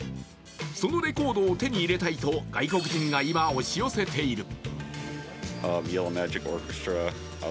そのレコードを手に入れたいと外国人が今、押し寄せている。